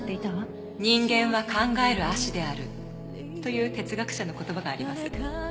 「人間は考える葦である」という哲学者の言葉があります。